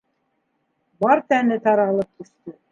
Бар тәне таралып төштө.